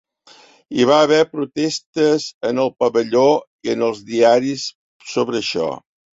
Hi va haver protestes en el Pavelló i en els diaris sobre això.